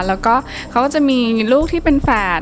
และเขาจะมีลูกที่เป็นแฝด